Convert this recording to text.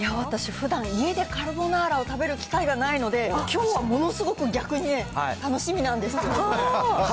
私、ふだん家でカルボナーラを食べる機会がないので、きょうはものすごく逆にね、楽しみなんですよ。